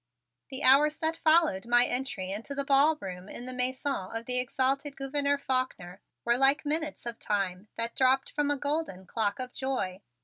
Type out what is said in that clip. The hours that followed my entry into the ballroom in the Mansion of the exalted Gouverneur Faulkner were like minutes of time that dropped from a golden clock of joy.